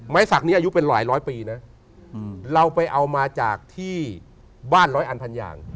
สักนี้อายุเป็นหลายร้อยปีนะเราไปเอามาจากที่บ้านร้อยอันพันอย่าง